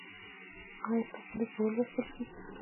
ایا ستاسو لیک به ولوستل شي؟